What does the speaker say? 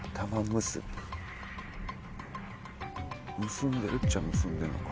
結んでるっちゃ結んでんのか。